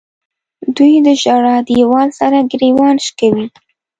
دوی د ژړا دیوال سره ګریوان شکوي.